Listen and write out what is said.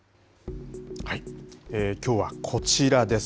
きょうはこちらです。